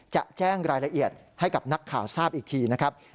จะแจ้งรายละเอียดให้กับนักข่าวทราบอีกทีนะครับ